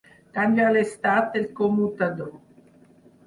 Canvia l'estat del commutador.